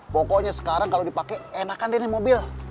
pokoknya sekarang kalau dipakai enakan deh mobil